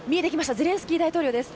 ゼレンスキー大統領です。